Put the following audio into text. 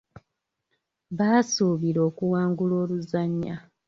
Baasuubira okuwangula oluzannya.